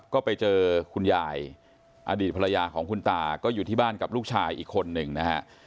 ก็ไปเจอคุณยายอดีตภรรยาของคุณตาก็อยู่ที่บ้านกับลูกชายอีกคนนึงนะฮะ